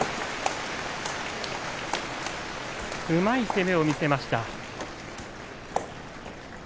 うまい攻めを見せました。